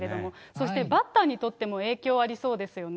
そしてバッターにとっても影響ありそうですよね。